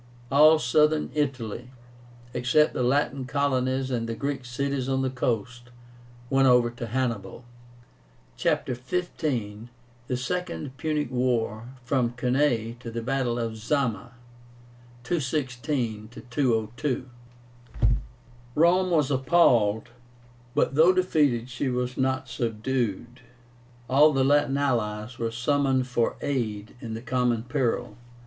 All Southern Italy, except the Latin colonies and the Greek cities on the coast, went over to Hannibal. CHAPTER XV. THE SECOND PUNIC WAR. FROM CANNAE TO THE BATTLE OF ZAMA (216 202). ROME was appalled; but though defeated, she was not subdued. All the Latin allies were summoned for aid in the common peril.